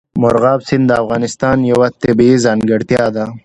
مورغاب سیند د افغانستان یوه طبیعي ځانګړتیا ده.